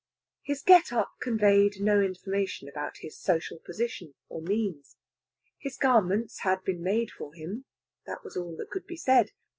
His get up conveyed no information about his social position or means. His garments had been made for him; that was all that could be said.